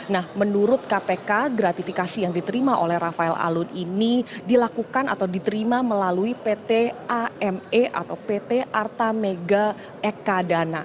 nah menurut kpk gratifikasi yang diterima oleh rafael alun ini dilakukan atau diterima melalui pt ame atau pt arta mega ekadana